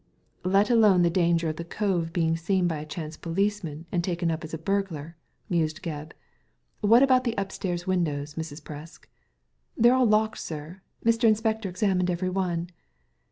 " Let alone the danger of the cove being seen by a chance policeman, and taken up as a burglar," mused Gebb, what about the upstairs windows, Mrs. Presk?" " They're all locked, sir. Mr. Inspector examined every one."